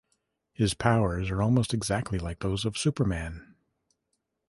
His powers are almost exactly like those of Superman.